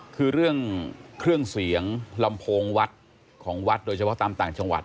คือเรื่องเครื่องเสียงลำโพงวัดของวัดโดยเฉพาะตามต่างจังหวัด